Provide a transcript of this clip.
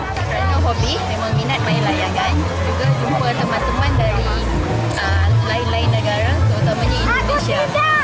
karena hobi memang minat main layang kan juga jumpa teman teman dari lain lain negara terutama indonesia